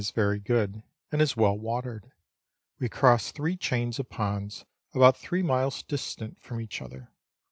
1 is very good, aud is well watered ; we crossed three chains of ponds, about three miles distant from each other.